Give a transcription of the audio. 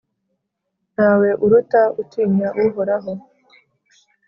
nta we uruta utinya Uhoraho